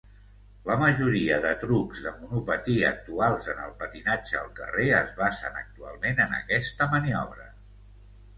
La majoria de trucs de monopatí actuals en el patinatge al carrer es basen actualment en aquesta maniobra.